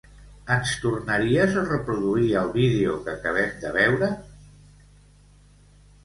Ens tornaries a reproduir el vídeo que acabem de veure?